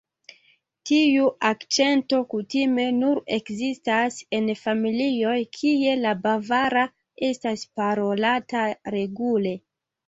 Tiu akĉento kutime nur ekzistas en familioj kie la bavara estas parolata regule.